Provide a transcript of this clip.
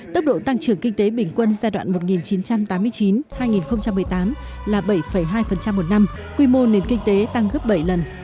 tốc độ tăng trưởng kinh tế bình quân giai đoạn một nghìn chín trăm tám mươi chín hai nghìn một mươi tám là bảy hai một năm quy mô nền kinh tế tăng gấp bảy lần